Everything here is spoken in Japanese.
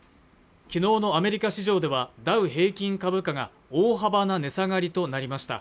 昨日のアメリカ市場ではダウ平均株価が大幅な値下がりとなりました